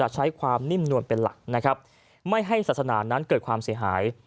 ใช้ความนิ่มนวลเป็นหลักนะครับไม่ให้ศาสนานั้นเกิดความเสียหาย